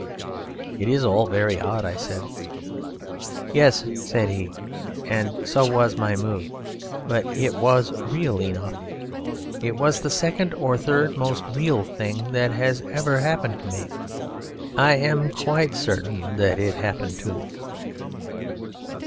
"It's all very odd," said I. "Yes," said he, "and so was my mood; but it was real enough. It was the second or third most real thing that has ever happened to me. I am quite certain that it happened to me."